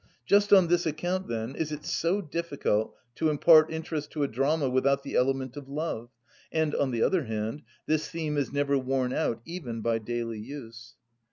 Just on this account, then, is it so difficult to impart interest to a drama without the element of love, and, on the other hand, this theme is never worn out even by daily use.